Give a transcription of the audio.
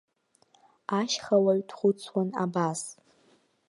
Ашьхауаҩ дхәыцуан абас.